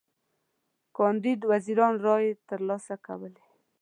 کاندید وزیرانو رایی تر لاسه کولې.